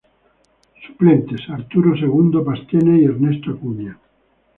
Suplentes: Arturo Segundo Pastene y Ernesto Acuña.